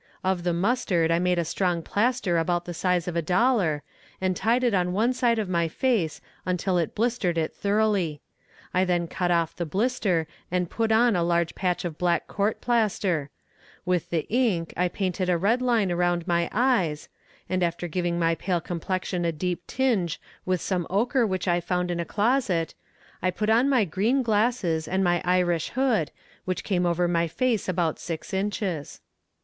Of the mustard I made a strong plaster about the size of a dollar, and tied it on one side of my face until it blistered it thoroughly. I then cut off the blister and put on a large patch of black court plaster; with the ink I painted a red line around my eyes, and after giving my pale complexion a deep tinge with some ochre which I found in a closet, I put on my green glasses and my Irish hood, which came over my face about six inches.